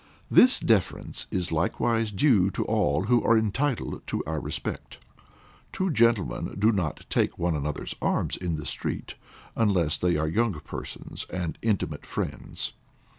This deference is likewise due to all who are entitled to our respect. Two gentlemen do not take one another's arms in the street, unless they are young persons and intimate friends.